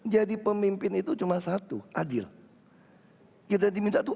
jadi pemimpin itu cuma satu